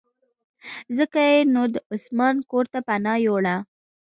ځکه یې نو د عثمان کورته پناه یووړه.